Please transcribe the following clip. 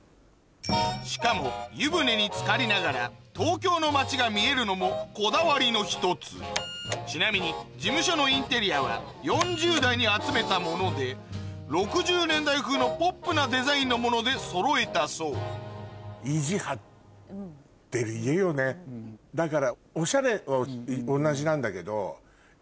しかも湯船につかりながら東京の街が見えるのもこだわりの一つちなみに事務所のインテリアは４０代に集めたもので６０年代風のポップなデザインのものでそろえたそうだから。